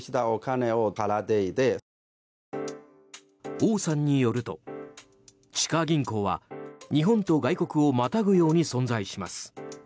王さんによると地下銀行は日本と外国をまたぐように存在します。